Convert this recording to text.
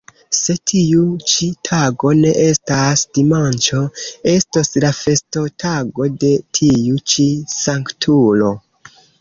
Se tiu ĉi tago ne estas dimanĉo, estos la festotago de tiu ĉi Sanktulo.